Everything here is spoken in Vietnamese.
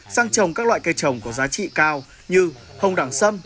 sang trồng các loại cây trồng có giá trị cao như hồng đẳng sâm